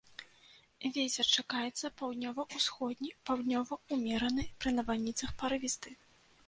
Вецер чакаецца паўднёва-ўсходні, паўднёвы ўмераны, пры навальніцах парывісты.